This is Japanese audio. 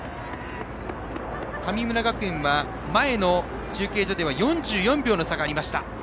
神村学園は前の中継所では４４秒の差がありました。